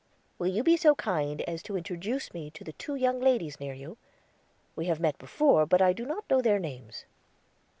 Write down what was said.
"Will you be so good as to introduce me to the two young ladies near you? We have met before, but I do not know their names."